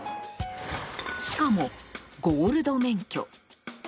しかもゴールド免許。